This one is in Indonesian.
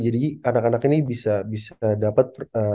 anak anak ini bisa dapat